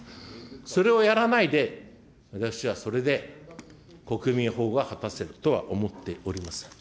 それをやらないで、私はそれで国民保護が果たせるとは思っておりません。